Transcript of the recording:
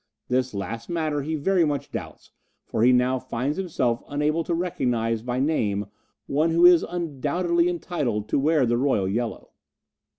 This last matter he very much doubts, for he now finds himself unable to recognize by name one who is undoubtedly entitled to wear the Royal Yellow."